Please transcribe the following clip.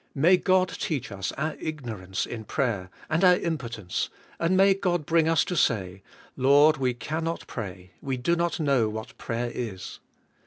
May God teach us our ignorance in prayer and our im potence, and may God bring us to say, "Lord, we can not pray ; we do not know what prayer is."